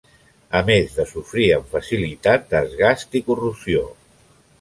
A més de sofrir amb facilitat desgast i corrosió.